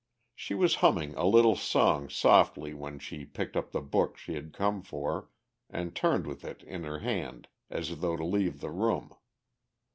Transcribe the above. She was humming a little song softly when she picked up the book she had come for and turned with it in her hand as though to leave the room.